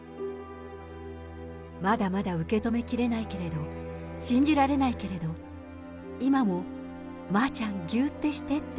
まだまだ受け止めきれないけれども、信じられないけれど、今もまぁちゃん、ぎゅーってしてって！